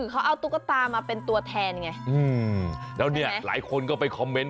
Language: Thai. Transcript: เขาเอาตุ๊กตามาเป็นตัวแทนไงอืมแล้วเนี่ยหลายคนก็ไปคอมเมนต